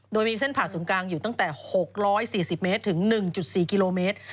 โดยมีเส้นผ่าศูนย์กลางอยู่ตั้งแต่๖๔๐เมตรถึง๑๔กิโลเมตร